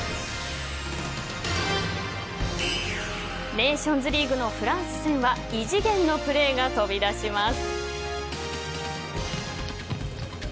ネーションズリーグのフランス戦は異次元のプレーが飛び出します。